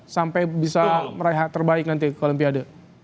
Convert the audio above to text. sampai bisa meraih terbaik nanti ke olimpiade